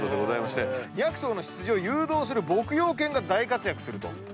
２００頭の羊を誘導する牧羊犬が大活躍すると。